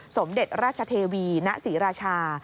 สมเด็จราชเทวีณศรีราชา